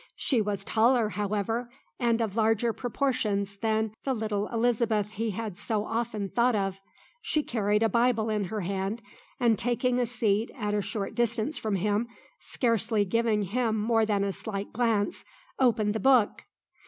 She was taller, however, and of larger proportions than the little Elizabeth he had so often thought of. She carried a Bible in her hand, and taking a seat at a short distance from him, scarcely giving him more than a slight glance, opened the Book.